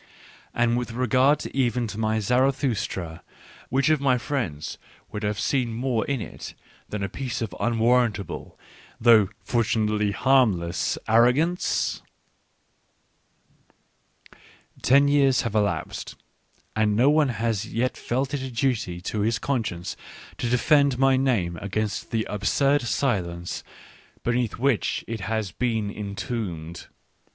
And with regard even to my Zaratkustra, which of my friends would have seen more in it than a piece of unwarrantable, though fortunately harmless, ar rogance ? Ten years have elapsed, and no one has yet felt it a duty to his conscience to defend my name against the absurd silence beneath which it has been entombed.